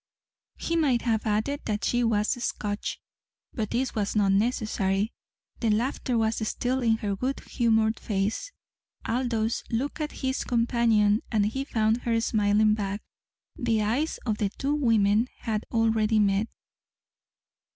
He might have added that she was Scotch. But this was not necessary. The laughter was still in her good humoured face. Aldous looked at his companion, and he found her smiling back. The eyes of the two women had already met.